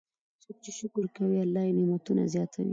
څوک چې شکر کوي، الله یې نعمتونه زیاتوي.